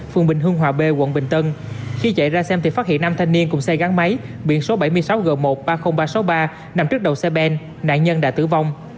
phường bình hương hòa b quận bình tân khi chạy ra xem thì phát hiện năm thanh niên cùng xe gắn máy biển số bảy mươi sáu g một ba mươi nghìn ba trăm sáu mươi ba nằm trước đầu xe ben nạn nhân đã tử vong